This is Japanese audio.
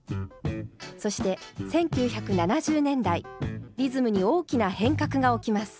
そして１９７０年代リズムに大きな変革が起きます。